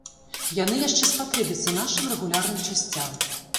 Яны яшчэ спатрэбяцца нашым рэгулярным часцям.